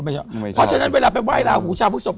เพราะฉะนั้นเวลาไปว่ายลาหูซะพฤษภพ